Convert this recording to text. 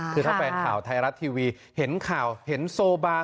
คือถ้าแฟนข่าวไทยรัฐทีวีเห็นข่าวเห็นโซบา